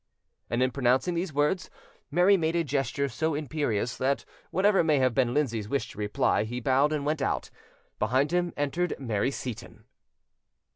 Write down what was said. And, in pronouncing these words, Mary made a gesture so imperious, that whatever may have been Lindsay's wish to reply, he bowed and went out. Behind him entered Mary Seyton.